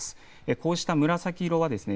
こうした紫色はですね